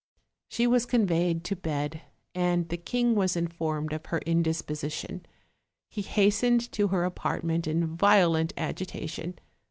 She was conveyed to bed, and the king was informed of her indisposition; he hastened to her apartment in violent agitation.